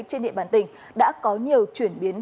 trên địa bàn tỉnh đã có nhiều chuyển biến